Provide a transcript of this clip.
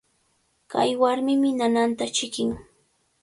Kay warmimi nananta chiqnin.